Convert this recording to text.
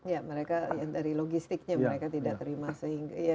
ya dari logistiknya mereka tidak terima